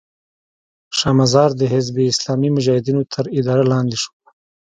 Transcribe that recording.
شا مزار د حزب اسلامي مجاهدینو تر اداره لاندې شو.